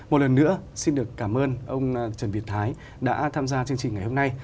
một lần nữa xin được cảm ơn ông trần việt thái đã tham gia chương trình ngày hôm nay